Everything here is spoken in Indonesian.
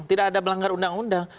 tidak ada melanggar undang undang